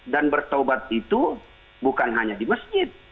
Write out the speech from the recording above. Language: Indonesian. dan bertaubat itu bukan hanya di masjid